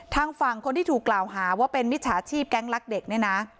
ทางฝั่งคนที่ถูกกล่าวหาว่าเป็นมิจฉาชีพแก๊งรักเด็กเนี่ยนะ